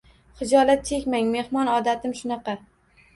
Xijolat chekmang, mehmon, odatim shunaqa